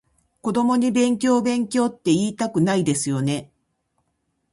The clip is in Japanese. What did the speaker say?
子供に勉強勉強っていいたくないですよね？